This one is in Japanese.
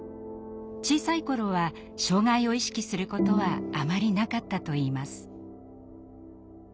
小さい頃は障害を意識することはあまりなかったといいます。